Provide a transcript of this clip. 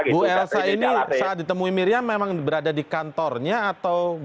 bu elsa ini saat ditemui miriam memang berada di kantornya atau